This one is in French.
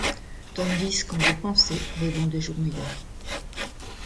Tandis qu'en vos pensers, rêvant des jours meilleurs